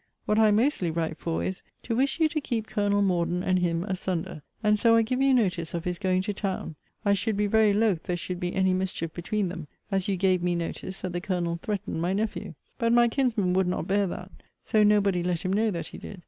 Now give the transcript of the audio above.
What I mostly write for is, to wish you to keep Colonel Morden and him asunder; and so I give you notice of his going to town. I should be very loth there should be any mischief between them, as you gave me notice that the Colonel threatened my nephew. But my kinsman would not bear that; so nobody let him know that he did.